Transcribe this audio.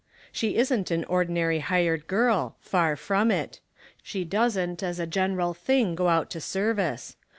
She isn't an ordinary hired girl, far from it ; she doesn't as a general thing go out to service.